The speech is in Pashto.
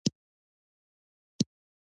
انسان له شل تر شل زرو هرتز پورې غږ اوري.